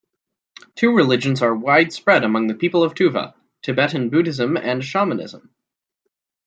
Two religions are widespread among the people of Tuva: Tibetan Buddhism and shamanism.